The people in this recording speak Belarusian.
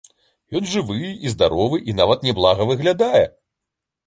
Ён жывы і здаровы, і нават няблага выглядае.